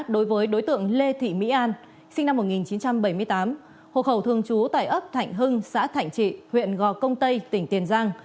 đối với đối tượng lê thị mỹ an sinh năm một nghìn chín trăm bảy mươi tám hộ khẩu thường trú tại ấp thạnh hưng xã thạnh trị huyện gò công tây tỉnh tiền giang